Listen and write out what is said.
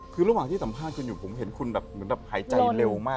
คือระหว่างที่สัมภาษณ์คุณอยู่ผมเห็นคุณแบบเหมือนแบบหายใจเร็วมาก